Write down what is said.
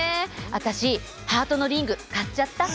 わたしハートのリング買っちゃった！